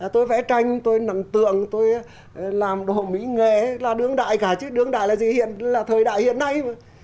tôi vẽ tranh tôi nằm tượng tôi làm đồ mỹ nghệ là đương đại cả chứ đương đại là thời đại hiện nay